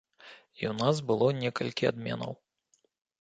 І ў нас было некалькі адменаў.